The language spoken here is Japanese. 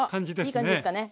いい感じですかね。